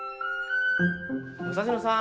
武蔵野さん。